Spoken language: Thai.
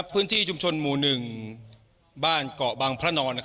พื้นที่ชุมชนหมู่๑บ้านเกาะบางพระนอน